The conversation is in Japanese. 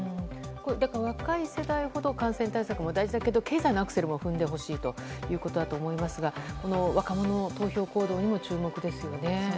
若い世代ほど感染対策も大事だけど経済のアクセルも踏んでほしいということだと思いますが若者の投票行動にも注目ですね。